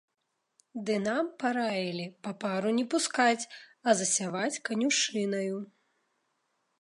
Ды нам параілі папару не пускаць, а засяваць канюшынаю.